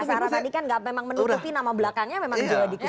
kayak bahasara tadi kan gak memang menutupi nama belakangnya memang juga dikisum